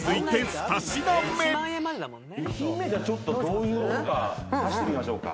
２品目ちょっとどういうものか出してみましょうか。